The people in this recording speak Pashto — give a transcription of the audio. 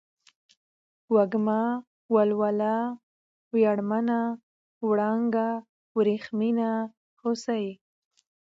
وږمه ، ولوله ، وياړمنه ، وړانگه ، ورېښمينه ، هوسۍ